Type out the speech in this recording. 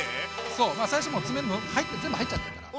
そう最初もう詰めるの全部入っちゃってるから。